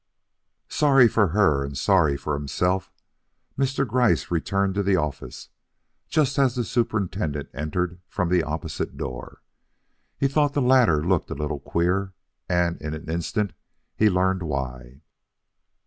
Sorry for her and sorry for himself, Mr. Gryce returned to the office just as the superintendent entered from the opposite door. He thought the latter looked a little queer, and in an instant he learned why.